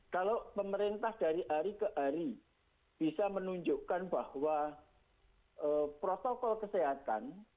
kalau pemerintah dari hari ke hari bisa menunjukkan bahwa protokol kesehatan